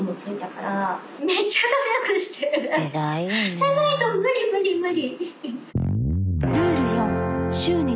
じゃないと無理無理無理。